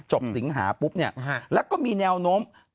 สิงหาปุ๊บเนี่ยแล้วก็มีแนวโน้ม